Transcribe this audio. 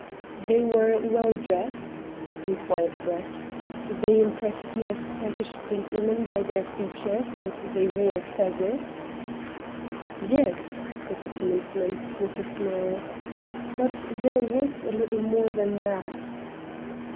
"They were well dressed?" inquired Brett; "they impressed you as Turkish gentlemen by their features, and they wore fezzes?" "Yes," said the policeman, with a smile; "but there was a little more than that."